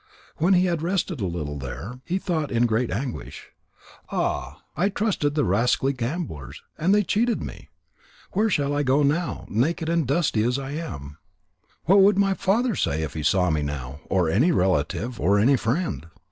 When he had rested a little there, he thought in great anguish: "Ah, I trusted the rascally gamblers, and they cheated me. Where shall I go now, naked and dusty as I am? What would my father say if he saw me now, or any relative, or any friend?